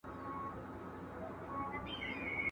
¬ هر چيري چي ولاړ سې، دغه حال دئ.